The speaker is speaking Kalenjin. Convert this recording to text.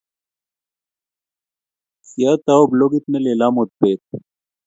kiatou blogit ne lel amut beet